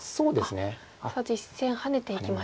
あっ実戦ハネていきましたね。